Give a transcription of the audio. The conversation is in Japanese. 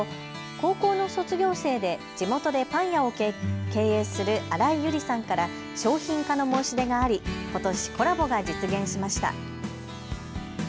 高校の卒業生で地元でパン屋を経営する新井有里さんから商品化の申し出がありことしコラボが実現しました。